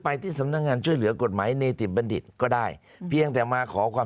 ฟ้องอยู่แล้วค่ะ